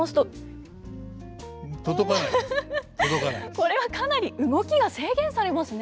これはかなり動きが制限されますね。